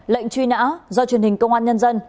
lệnh truy nã do truyền hình công an nhân dân